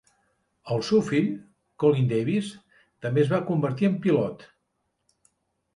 El seu fill, Colin Davis, també es va convertir en pilot.